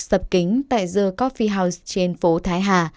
sập kính tại the coffee house trên phố thái hà